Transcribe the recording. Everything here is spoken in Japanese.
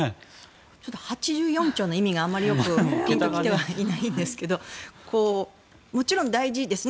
ちょっと８４兆の意味がピンと来ていないんですけどもちろん大事ですね。